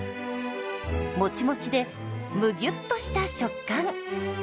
もちもちでむぎゅっとした食感。